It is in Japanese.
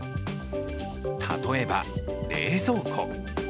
例えば、冷蔵庫。